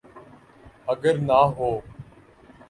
اگر نہ ہوں۔